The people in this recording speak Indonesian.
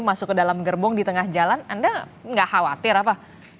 masuk ke dalam gerbong di tengah jalan anda nggak khawatir apa